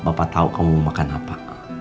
bapak tahu kamu makan apa